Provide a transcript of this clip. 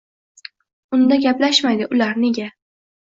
Unda gaplashmaydi ular, nega?.